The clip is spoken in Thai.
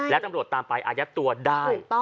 และตำรวจตามไปอายัดตัวได้